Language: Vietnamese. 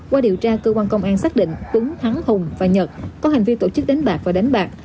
qua điều tra cơ quan công an xác định tuấn thắng hùng và nhật có hành vi tổ chức đánh bạc và đánh bạc